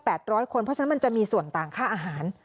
เพราะฉะนั้นมันจะมีส่วนต่างค่าอาหาร